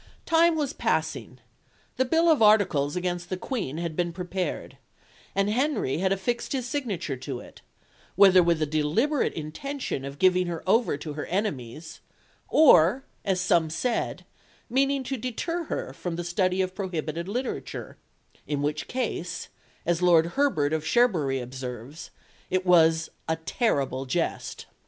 Time was passing; the bill of articles against the Queen had been prepared, and Henry had affixed his signature to it, whether with a deliberate intention of giving her over to her enemies, or, as some said, meaning to deter her from the study of prohibited literature in which case, as Lord Herbert of Cherbury observes, it was "a terrible jest."